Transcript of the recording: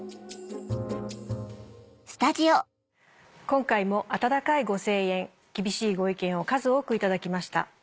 今回も温かいご声援厳しいご意見を数多く頂きました。